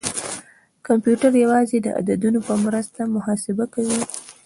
کمپیوټر یوازې د عددونو په مرسته محاسبه کوي.